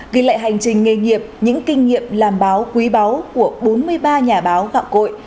ghi lại hành trình nghề nghiệp những kinh nghiệm làm báo quý báu của bốn mươi ba nhà báo gạo cội